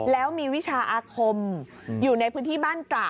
แล้วมีวิชาอาคมอยู่ในพื้นที่บ้านตระ